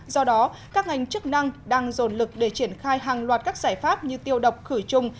do đó các ngành chức năng đang dồn lực để triển khai hàng loạt các giải pháp như tiêu độc khử trùng